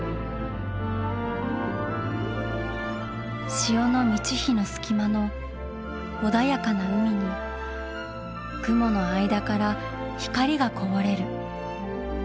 潮の満ち干の隙間の穏やかな海に雲の間から光がこぼれる。